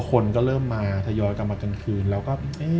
คนก็เริ่มมาทยอยกลับมากลางคืนแล้วก็